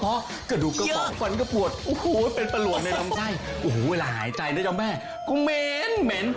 โอ้โหเวลาหายใจนะเจ้าแม่ก็เหม็นเหม็น